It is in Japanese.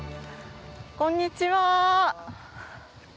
こんにちは。